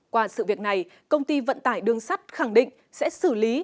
qua sự việc này công ty vận tải đường sắt khẳng định sẽ xử lý